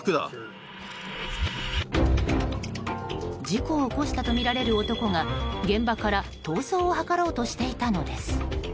事故を起こしたとみられる男が現場から逃走を図ろうとしていたのです。